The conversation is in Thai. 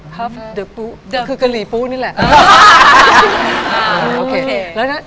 พื้อคือกะหรีปู้นี่แหละ